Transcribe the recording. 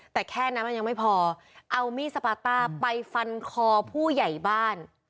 แต่แค่นั้นมันยังไม่พอเอามีดสปาต้าไปฟันคอผู้ใหญ่บ้าน